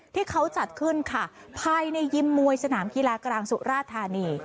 ที่เขาจัดขึ้นค่ะภายในยิมมวยสนามกีฬากลางสุราธานี